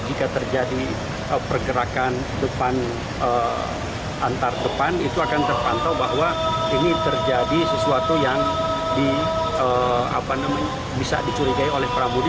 jika terjadi pergerakan depan antar depan itu akan terpantau bahwa ini terjadi sesuatu yang bisa dicurigai oleh prabudi